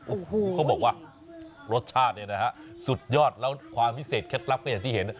โอ้โหเขาบอกว่ารสชาติเนี่ยนะฮะสุดยอดแล้วความพิเศษเคล็ดลับก็อย่างที่เห็น